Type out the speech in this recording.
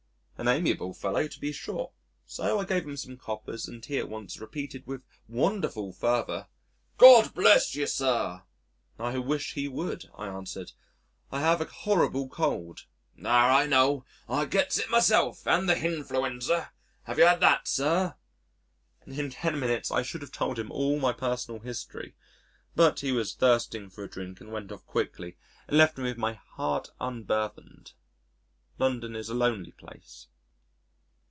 An amiable fellow to be sure so I gave him some coppers and he at once repeated with wonderful fervour, "God bless you, sir." "I wish He would," I answered, "I have a horrible cold." "Ah, I know, I gets it myself and the hinfluenza have you had that, sir?" In ten minutes I should have told him all my personal history. But he was thirsting for a drink and went off quickly and left me with my heart unburthened. London is a lonely place.